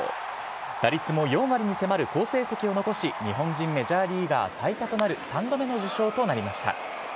打率も４割に迫る好成績を残し、日本人メジャーリーガー最多となる３度目の受賞となりました。